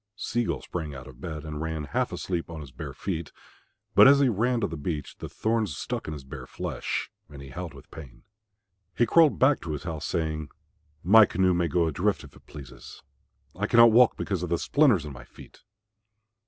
Sea gull sprang out of bed and ran half asleep on his bare feet. But as he ran to the beach the thorns stuck in his bare flesh, and he howled with pain. He crawled back to his house, saying, "My canoe may go adrift if it pleases; I cannot walk because of the splinters in my feet."